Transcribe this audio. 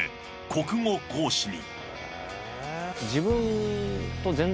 国語講師に。